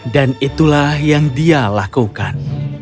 dan itulah yang dia lakukan